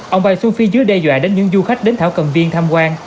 ông bày xuân phi dưới đe dọa đến những du khách đến thảo cầm viên tham quan